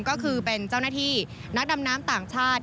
ก็คือเป็นเจ้าหน้าที่นักดำน้ำต่างชาติ